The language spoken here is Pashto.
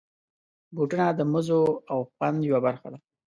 بوټونه د مزو او خوند یوه برخه ده.